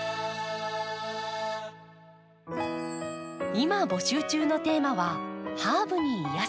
今募集中のテーマは「ハーブに癒やされて」。